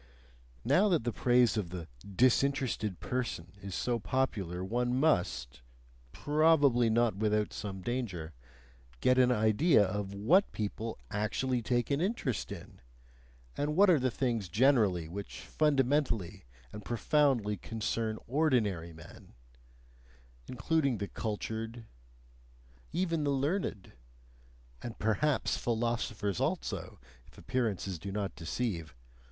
Now that the praise of the "disinterested person" is so popular one must probably not without some danger get an idea of WHAT people actually take an interest in, and what are the things generally which fundamentally and profoundly concern ordinary men including the cultured, even the learned, and perhaps philosophers also, if appearances do not deceive.